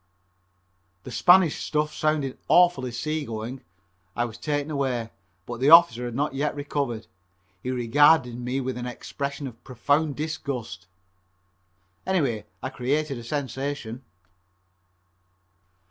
That Spanish stuff sounds awfully sea going. I was taken away, but the officer had not yet recovered. He regarded me with an expression of profound disgust. Anyway I created a sensation.